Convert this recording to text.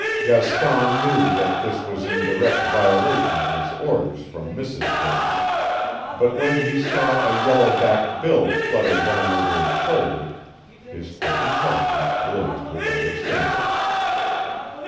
Gaston knew that this was in direct violation of his orders from Mrs. Burton, but when he saw a yellow backed bill flutter down over his shoulder his quick intelligence blazed with understanding.